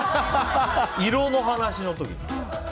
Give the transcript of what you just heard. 色の話の時に。